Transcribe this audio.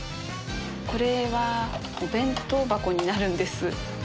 これはお弁当箱になるんです。